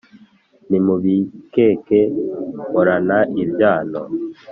ntimubikeke mporana ibyano.